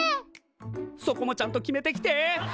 そこもちゃんと決めてきて！